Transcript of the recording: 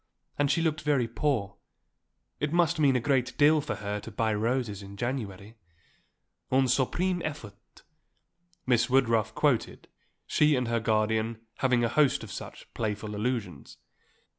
And she looked very poor. It must mean a great deal for her to buy roses in January un suprême effort," Miss Woodruff quoted, she and her guardian having a host of such playful allusions.